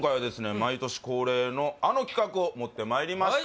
毎年恒例のあの企画を持ってまいりました